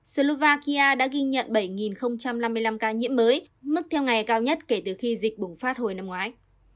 slovakia đã ghi nhận bảy năm mươi năm ca nhiễm mới mức theo ngày cao nhất kể từ khi dịch bùng phát hồi năm ngoái